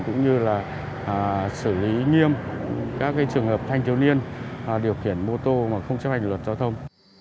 cũng như là xử lý nghiêm các trường hợp thanh thiếu niên điều khiển mô tô mà không chấp hành luật giao thông